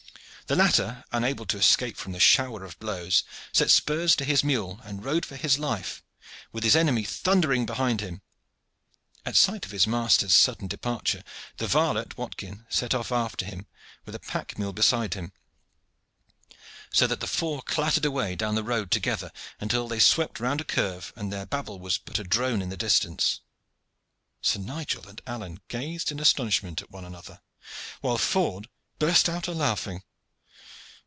The latter, unable to escape from the shower of blows, set spurs to his mule and rode for his life, with his enemy thundering behind him. At sight of his master's sudden departure, the varlet Watkin set off after him, with the pack mule beside him, so that the four clattered away down the road together, until they swept round a curve and their babble was but a drone in the distance. Sir Nigel and Alleyne gazed in astonishment at one another, while Ford burst out a laughing.